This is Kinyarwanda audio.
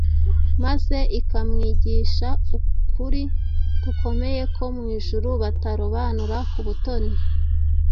maze ikamwigisha ukuri gukomeye ko mu ijuru batarobanura ku butoni;